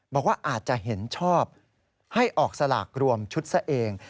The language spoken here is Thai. บอกว่าอาจจะเห็นชอบให้ออกสลากรวมชุดซะเอง